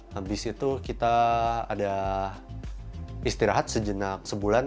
habis itu kita ada istirahat sejenak sebulan